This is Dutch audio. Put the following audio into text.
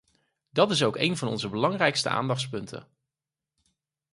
Dat is ook een van onze belangrijkste aandachtspunten.